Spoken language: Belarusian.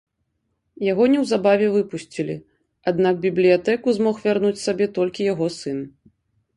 Яго неўзабаве выпусцілі, аднак бібліятэку змог вярнуць сабе толькі яго сын.